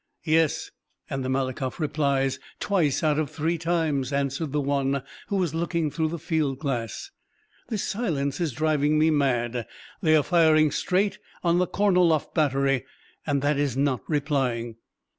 "'Yes, and the Malakoff replies twice out of three times,' answered the one who was looking through the field glass. 'This silence is driving me mad! They are firing straight on the Korniloff battery and that is not replying.'